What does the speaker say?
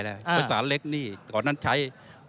โคชศาลเล็กนี่ก่อนนั้นใช้